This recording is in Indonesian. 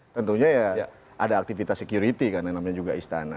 tentunya ya ada aktivitas security karena namanya juga istana